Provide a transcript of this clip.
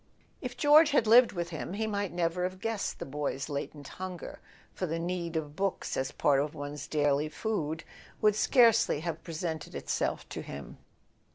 If George had lived with him he might never have guessed the boy's latent hunger, for the need of books as part of one's [ 29 ] A SON AT THE FRONT daily food would scarcely have presented itself to him.